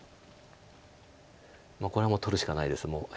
これはもう取るしかないです。